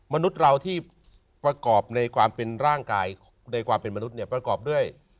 มนุษย์เราที่ประกอบในความเป็นร่างกายในความเป็นมนุษย์เนี่ยประกอบด้วย